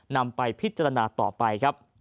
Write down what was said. นำไปพิจารณาต่อไป